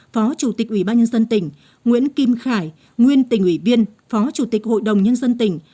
phó chủ tịch ủy ban nhân dân tỉnh nguyễn kim khải nguyên tỉnh ủy viên phó chủ tịch hội đồng nhân dân tỉnh